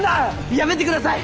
やめてください！